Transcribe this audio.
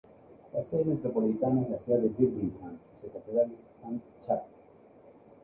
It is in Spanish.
La sede metropolitana es la ciudad de Birmingham y su catedral es San Chad.